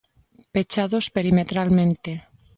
Pechados perimetralmente.